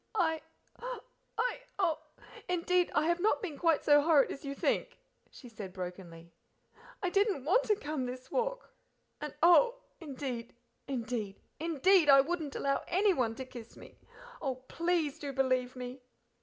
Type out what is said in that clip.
"I I oh! indeed I have not been quite so horrid as you think," she said brokenly; "I didn't want to come this walk and oh! indeed, indeed, indeed I wouldn't allow ANYONE to kiss me. Oh, PLEASE do believe me!"